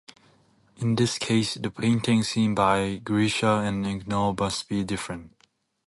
In this case, the paintings seen by Grisha and Egor must be different.